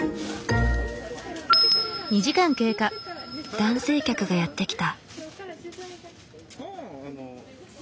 男性客がやって来た。